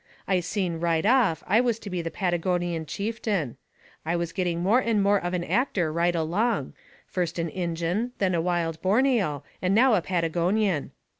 I seen right off I was to be the Patagonian Chieftain. I was getting more and more of an actor right along first an Injun, then a wild Borneo, and now a Patagonian.